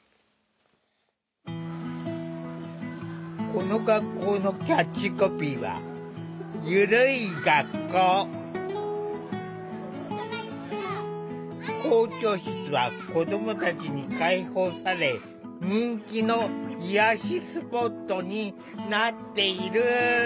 この学校のキャッチコピーは校長室は子どもたちに開放され人気の癒やしスポットになっている。